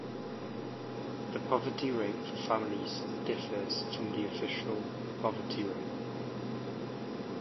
The poverty rate for families differs from the official poverty rate.